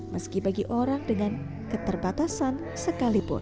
meski bagi orang dengan keterbatasan sekalipun